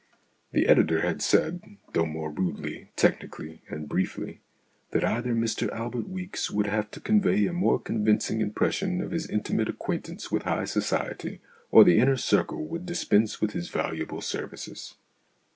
The editor had said though more rudely, technically and briefly that either Mr Albert Weeks would have to convey a more convincing impression of his intimate acquaintance with high society or The Inner Circle would dispense with his valuable services.